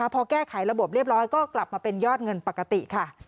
พอแก้ไขระบบเรียบร้อยก็กลับมาเป็นยอดเงินปกติค่ะ